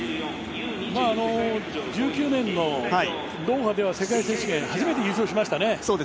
１９年のドーハでは世界選手権、初めて優勝しましたね。